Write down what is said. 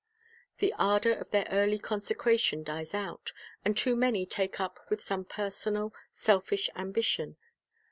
The ardor of their early consecration dies out, and too many take up with some personal, selfish ambition.